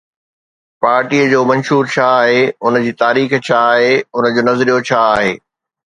پارٽيءَ جو منشور ڇا آهي، ان جي تاريخ ڇا آهي، ان جو نظريو ڇا آهي؟